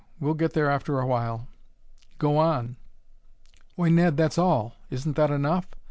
We'll get there after a while." "Go on! Why, Ned, that's all! Isn't that enough?